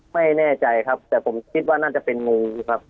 ไม่แน่ใจครับแต่ผมคิดว่าน่าจะเป็นงูครับ